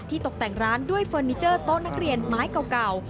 ตกแต่งร้านด้วยเฟอร์นิเจอร์โต๊ะนักเรียนไม้เก่า